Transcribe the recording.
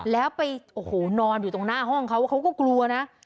แล้วไปโอ้โหนอนอยู่ตรงหน้าห้องเขาเขาก็กลัวนะ